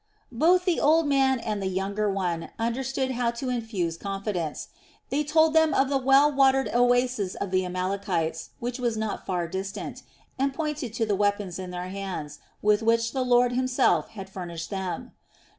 Both the old man and the younger one understood how to infuse confidence. They told them of the well watered oasis of the Amalekites, which was not far distant, and pointed to the weapons in their hands, with which the Lord Himself had furnished them.